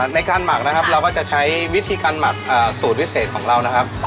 หมักนะครับเราก็จะใช้วิธีการหมักสูตรพิเศษของเรานะครับ